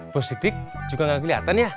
positif juga gak kelihatan ya